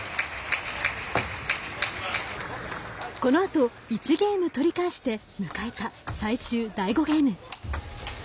このあと、１ゲーム取り返して迎えた最終第５ゲーム。